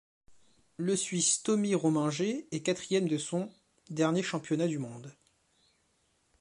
Le Suisse Tony Rominger est quatrième de son dernier championnat du monde.